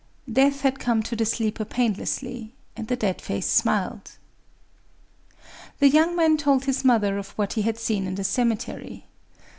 Death had come to the sleeper painlessly; and the dead face smiled. The young man told his mother of what he had seen in the cemetery.